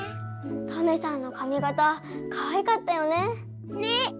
トメさんのかみがたかわいかったよね。ね！